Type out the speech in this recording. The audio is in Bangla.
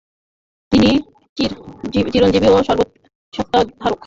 তিনি চিরঞ্জীব ও সর্বসত্তার ধারক।